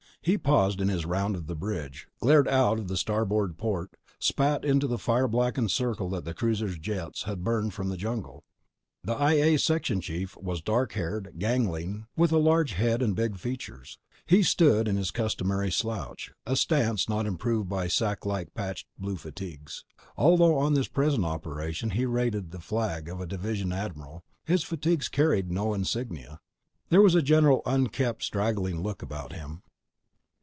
He paused in his round of the bridge, glared out the starboard port, spat into the fire blackened circle that the cruiser's jets had burned from the jungle. The I A section chief was dark haired, gangling, with large head and big features. He stood in his customary slouch, a stance not improved by sacklike patched blue fatigues. Although on this present operation he rated the flag of a division admiral, his fatigues carried no insignia. There was a general unkempt, straggling look about him.